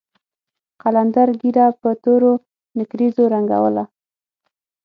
قلندر ږيره په تورو نېکريزو رنګوله.